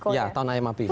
iya tahun ayam api gitu